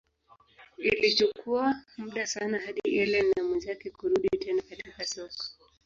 Ilichukua muda sana hadi Ellen na mwenzake kurudi tena katika soko.